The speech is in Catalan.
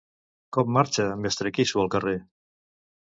Com marxa Mestre Quissu al carrer?